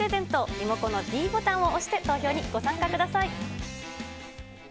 リモコンのｄボタンを押して、投票にご参加ください。